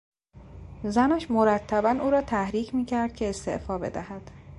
زنش مرتبا او را تحریک میکرد که استعفا بدهد.